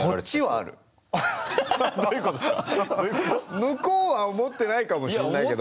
向こうは思ってないかもしれないけど。